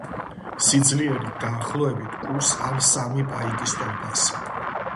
სიძლიერით დაახლოებით კუს ან სამი პაიკის ტოლფასი.